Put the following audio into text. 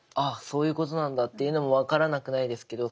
そういうことなんだっていうのも分からなくないですけど。